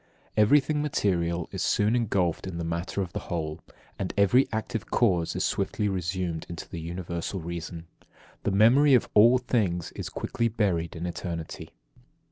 10. Everything material is soon engulfed in the matter of the whole, and every active cause is swiftly resumed into the Universal reason. The memory of all things is quickly buried in eternity.